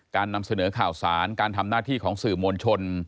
นำเสนอข่าวสารการทำหน้าที่ของสื่อมวลชน